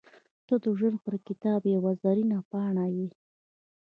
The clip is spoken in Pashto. • ته د ژوند پر کتاب یوه زرینه پاڼه یې.